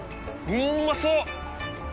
うまそう！